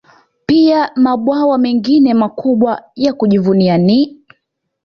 Pia mabwawa mengine makubwa ya kujivunia ni